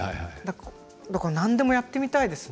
だから何でもやってみたいですね。